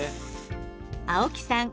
青木さん